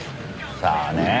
さあねえ。